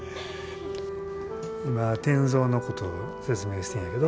今転造のことを説明してんやけど。